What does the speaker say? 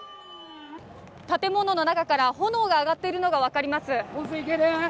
建物の中から炎が上がっているのがわかります。